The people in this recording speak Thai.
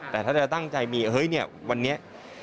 แต่ถ้าจะตั้งใจมีวันนี้